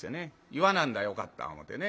言わなんだらよかった思てね。